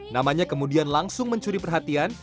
namanya kemudian langsung mencuri perhatian